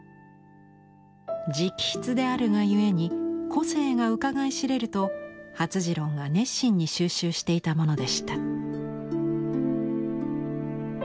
直筆であるがゆえに個性がうかがい知れると發次郎が熱心に蒐集していたものでした。